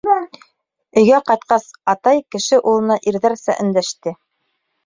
Өйгә ҡайтҡас, атай кеше улына ирҙәрсә өндәште: